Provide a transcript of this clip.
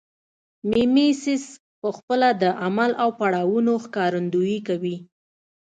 میمیسیس پخپله د عمل او پړاوونو ښکارندویي کوي